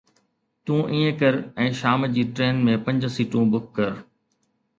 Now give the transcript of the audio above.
تون ائين ڪر ۽ شام جي ٽرين ۾ پنج سيٽون بک ڪر.